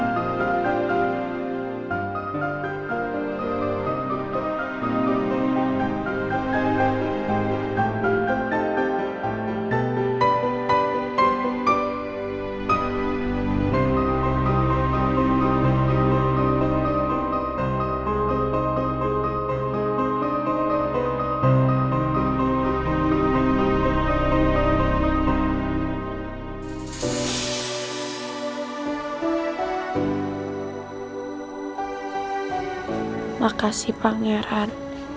terima kasih pangeran